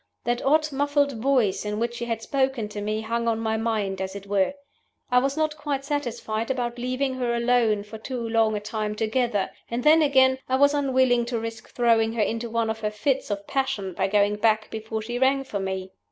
That odd, muffled voice in which she had spoken to me hung on my mind, as it were. I was not quite satisfied about leaving her alone for too long a time together and then, again, I was unwilling to risk throwing her into one of her fits of passion by going back before she rang for me.